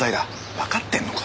わかってんのか？